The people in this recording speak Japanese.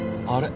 ああ。